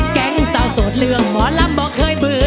แก๊งเศร้าโสดเรืองหมอลำบอกเคยเบื่อ